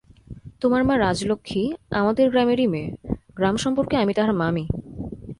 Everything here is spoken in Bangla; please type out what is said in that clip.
তোমার মা রাজলক্ষ্মী আমাদের গ্রামেরই মেয়ে, গ্রামসম্পর্কে আমি তাহার মামী।